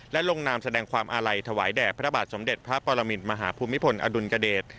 และลงนามแสดงความอาลัยถวายแด่พระบาทสมเด็จพระปรมินมหาภูมิพลอดุลยเดช